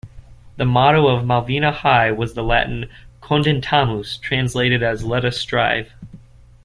The motto of Malvina High was the Latin "Contendamus", translated as "Let us strive".